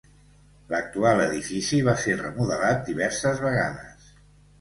L'actual edifici va ser remodelat diverses vegades.